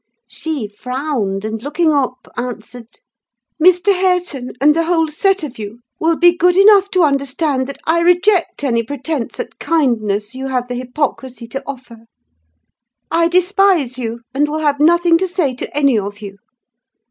"She frowned; and looking up, answered— "'Mr. Hareton, and the whole set of you, will be good enough to understand that I reject any pretence at kindness you have the hypocrisy to offer! I despise you, and will have nothing to say to any of you!